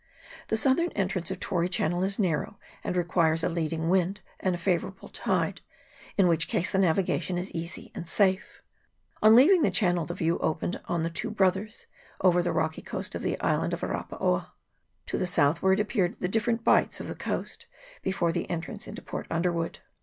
The southern entrance of Tory Chan nel is narrow, and requires a leading wind and a favourable tide, in which case the navigation is easy and safe. On leaving the channel the view opened on the Two Brothers, over the rocky coast of the Island of Arapaoa. To the southward appeared the different bights of the coast before the entrance into Port Underwood.